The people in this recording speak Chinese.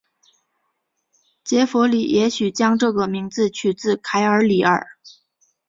杰佛里也许将这个名字取自凯尔李尔。